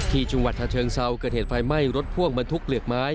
ที่จังหวัดชาเชิงเซาเกิดเหตุไฟไหม้รถพ่วงบรรทุกเหลือกไม้